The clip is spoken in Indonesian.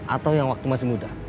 atau yang waktu masih muda